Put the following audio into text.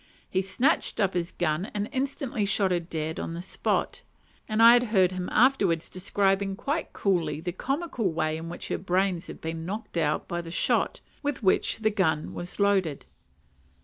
He snatched up his gun and instantly shot her dead on the spot; and I had heard him afterwards describing quite coolly the comical way in which her brains had been knocked out by the shot with which the gun was loaded.